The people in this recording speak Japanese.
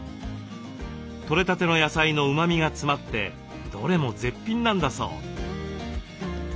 取れたての野菜のうまみが詰まってどれも絶品なんだそう。